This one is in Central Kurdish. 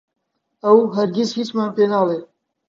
ئەو هەرگیز هیچمان پێ ناڵێت.